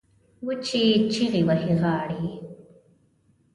وچې چیغې وهي غاړې